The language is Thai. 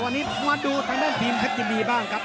วันนี้มาดูทางด้านทีมเพชรยินดีบ้างครับ